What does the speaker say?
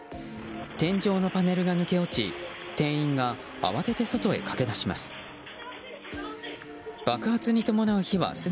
天井のパネルが抜け落ち店員が慌てて外へ駆け出します。